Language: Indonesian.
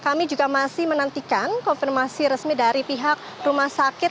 kami juga masih menantikan konfirmasi resmi dari pihak rumah sakit